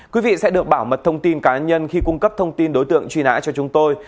quý vị sẽ được bảo mật thông tin cá nhân khi cung cấp thông tin đối tượng truy nã cho chúng tôi